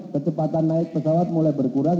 kecepatan naik pesawat mulai berkurang